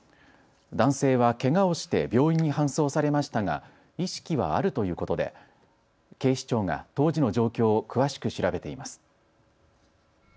男性はけがをして病院に搬送されましたが意識はあるということで、警視庁が当時の状況を詳しく調べています。